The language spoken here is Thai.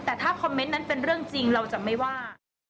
แต่ถ้าคอมเมนต์นั้นเป็นเรื่องจริงเราจะไม่ว่า